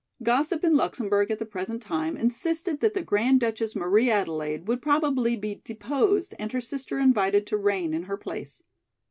Gossip in Luxemburg at the present time insisted that the Grand Duchess Marie Adelaide would probably be deposed and her sister invited to reign in her place.